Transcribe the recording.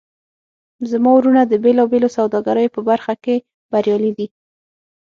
زما وروڼه د بیلابیلو سوداګریو په برخه کې بریالي دي